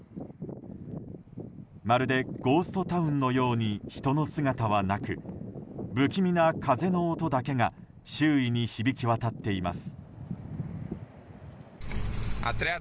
まるでゴーストタウンのように人の姿はなく不気味な風の音だけが周囲に響き渡っています。